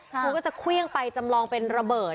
ครูก็จะเควี้ยงไปจำลองเป็นระเบิด